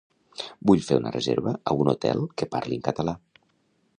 Vull fer una reserva a un hotel que parlin català